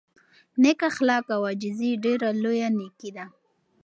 نېک اخلاق او عاجزي ډېره لویه نېکي ده.